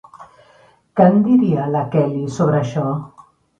Què en diria la Kelly, sobre això?